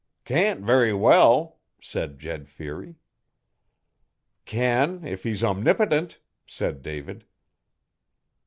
'Can't very well,' said Jed Feary. 'Can, if he's omnipotent,' said David.